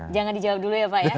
jangan dijawab dulu ya pak ya